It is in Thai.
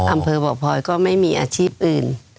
อำเภอบ่อพลอยก็ไม่มีอาชีพอื่น